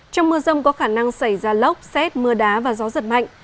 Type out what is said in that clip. trong mưa rông có khả năng xảy ra lốc xét mưa đá và gió giật mạnh